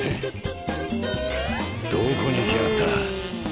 どこに行きやがった？